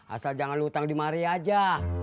asal jangan lo utang di maria aja